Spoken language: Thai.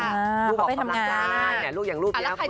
รูปออกฝีมนมรจายลูกอย่างรูปเยอะครับคุณผู้ชม